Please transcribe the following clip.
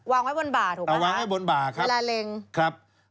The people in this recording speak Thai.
วางไว้บนบ่าถูกมั้ยคะใช้ละเล็งเอาไว้บนบ่าครับ